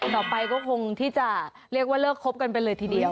ต่อไปก็คงที่จะเรียกว่าเลิกคบกันไปเลยทีเดียว